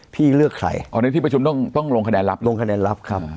เลือกใครอ๋อในที่ประชุมต้องต้องลงคะแนนลับลงคะแนนลับครับ